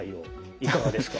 いかがですか？